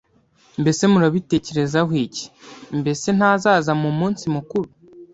«Mbese murabitekerezaho iki? Mbese ntazaza mu munsi mukuru?»